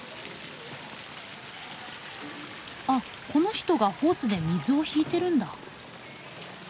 この人がホースで水を引いてるんだ。